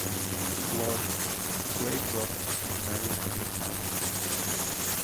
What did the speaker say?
Lord Braybrooke was married three times.